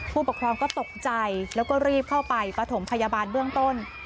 ผู้ปกครองก็ตกใจแล้วก็รีบเข้าไปปฐมพยาบาลเบื้องต้น